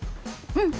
うん。